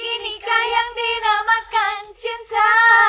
inikah yang dinamakan cinta